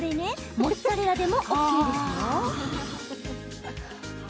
モッツァレラチーズでもＯＫですよ。